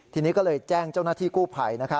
ทีนี้ก็เลยแจ้งเจ้าหน้าที่กู้ภัย